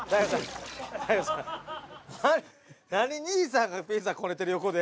何兄さんがピザこねてる横で。